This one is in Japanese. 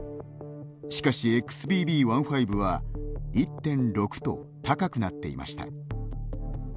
しかし、ＸＢＢ．１．５は１．６と高くなっていました。